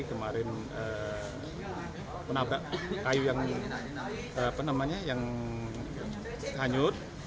kemarin menabrak kayu yang apa namanya yang hanyut